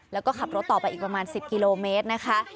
แล้วก็ขับรถต่อไปอีกประมาณ๑๐กิโลเมตรนะคะ